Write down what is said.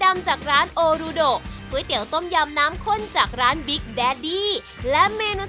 มาร์เกตและ